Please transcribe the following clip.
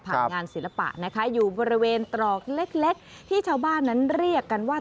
งานศิลปะนะคะอยู่บริเวณตรอกเล็กที่ชาวบ้านนั้นเรียกกันว่า